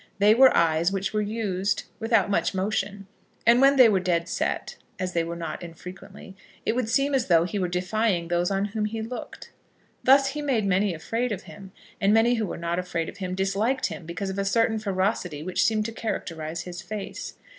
They were eyes which were used without much motion; and when they were dead set, as they were not unfrequently, it would seem as though he were defying those on whom he looked. Thus he made many afraid of him, and many who were not afraid of him, disliked him because of a certain ferocity which seemed to characterise his face.